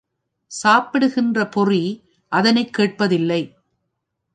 சாப்பிடுகின்ற பொறி அதனைக் கேட்பதில்லை.